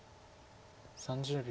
３０秒。